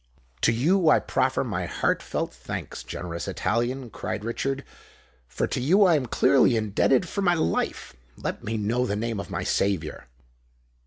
"To you I proffer my most heart felt thanks, generous Italian!" cried Richard; "for to you I am clearly indebted for my life. Let me know the name of my saviour?"